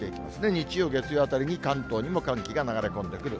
日曜、月曜あたりに関東にも寒気が流れ込んでくる。